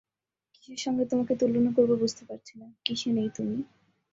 কিসের সঙ্গে তোমাকে তুলনা করব বুঝতে পারছি না, কিসে নেই তুমি।